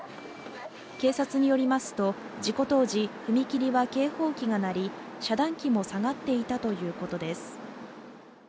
警察によりますと事故当時、踏切は警報機が鳴り、遮断機も下がっていたということです。